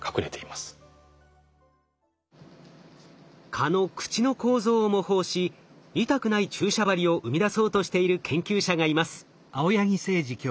蚊の口の構造を模倣し痛くない注射針を生み出そうとしている研究者がいます。